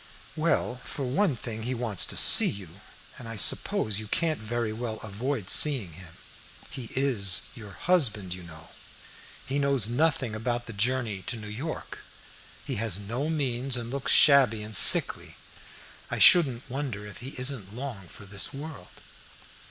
"Well, for one thing he wants to see you, and I suppose you can't very well avoid seeing him. He is your husband, you know. He knows nothing about the journey to New York. He has no means, and looks shabby and sickly. I shouldn't wonder if he isn't long for this world."